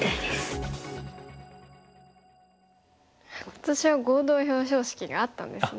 今年は合同表彰式があったんですね。